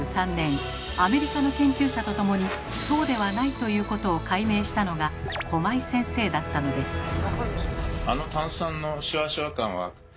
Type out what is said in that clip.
アメリカの研究者と共にそうではないということを解明したのが駒井先生だったのです。